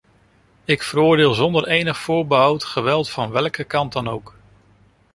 Ik veroordeel zonder enig voorbehoud geweld van welke kant ook.